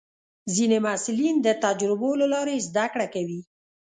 ځینې محصلین د تجربو له لارې زده کړه کوي.